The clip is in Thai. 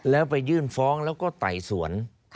แล้วไปยื่นฟ้องแล้วก็ไต่สวน